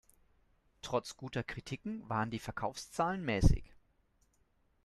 Trotz guter Kritiken waren die Verkaufszahlen mäßig.